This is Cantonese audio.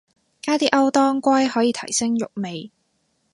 加啲歐當歸可以提升肉味